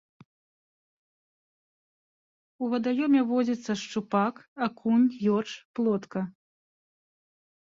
У вадаёме водзіцца шчупак, акунь, ёрш, плотка.